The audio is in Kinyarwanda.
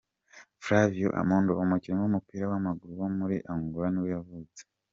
Flávio Amado, umukinnyi w’umupira w’amaguru wo muri Angola nibwo yavutse.